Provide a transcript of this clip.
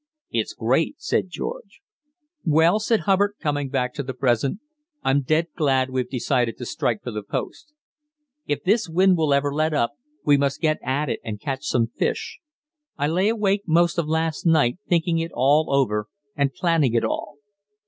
"It's great," said George. "Well," said Hubbard, coming back to the present, "I'm dead glad we've decided to strike for the post. If this wind will ever let up, we must get at it and catch some fish. I lay awake most of last night thinking it all over and planning it all."